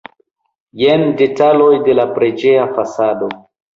Jen detaloj de la preĝeja fasado.